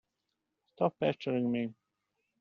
Stop pestering me!